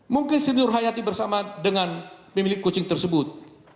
mungkin seni nur hayati bersama dengan pemilik kucing tersebut